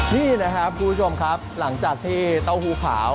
นี่นะครับคุณผู้ชมครับหลังจากที่เต้าหู้ขาว